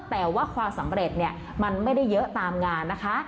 แต่ว่าความสำเร็จเนี่ยมันไม่ได้เยอะตามงานนะคะ